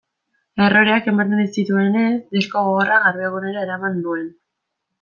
Erroreak ematen zituenez, disko gogorra Garbigunera eraman nuen.